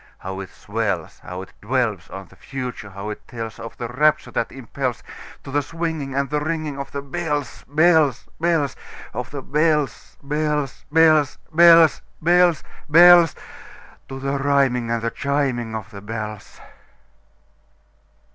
How it swells! How it dwellsOn the Future! how it tellsOf the rapture that impelsTo the swinging and the ringingOf the bells, bells, bells, Of the bells, bells, bells, bells, Bells, bells, bells—To the rhyming and the chiming of the bells!